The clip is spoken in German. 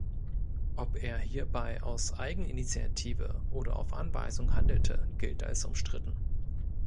Ob er hierbei aus Eigeninitiative oder auf Anweisung handelte gilt als umstritten.